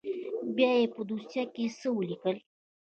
بيا يې په دوسيه کښې څه وليکل.